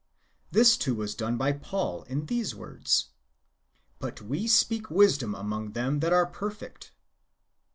"^ This, too, was done by Paul in these words, " But we speak wisdom among them that are perfect."